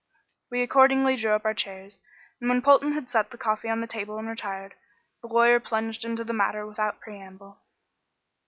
We accordingly drew up our chairs, and when Polton had set the coffee on the table and retired, the lawyer plunged into the matter without preamble.